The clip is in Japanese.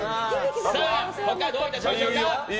他はどういたしましょう。